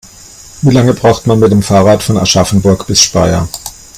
Wie lange braucht man mit dem Fahrrad von Aschaffenburg bis Speyer?